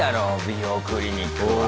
美容クリニックは。